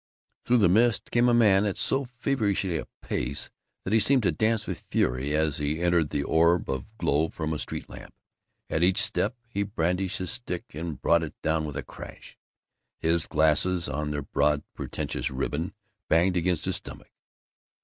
Through the mist came a man at so feverish a pace that he seemed to dance with fury as he entered the orb of glow from a street lamp. At each step he brandished his stick and brought it down with a crash. His glasses on their broad pretentious ribbon banged against his stomach.